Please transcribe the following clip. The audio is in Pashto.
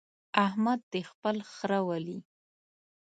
احمد دې خپل خره ولي.